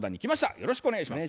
よろしくお願いします。